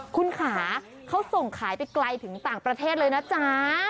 คุณขาเขาส่งขายไปไกลถึงต่างประเทศเลยนะจ๊ะ